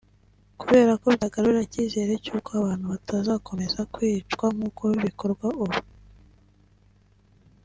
kubera ko byagarura ikizere cy’uko abantu batazakomeza kwicwa nk’uko bikorwa ubu